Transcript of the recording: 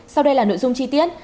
sau đây là nội dung chi tiết